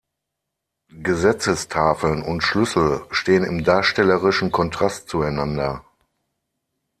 Gesetzestafeln und Schlüssel stehen im darstellerischen Kontrast zueinander.